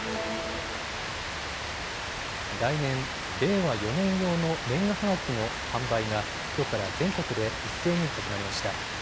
来年、令和４年用の年賀はがきの販売がきょうから全国で一斉に始まりました。